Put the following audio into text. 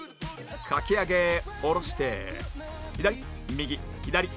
かき上げ下ろして左右左